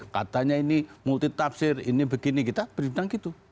katanya ini multi tafsir ini begini kita berbintang gitu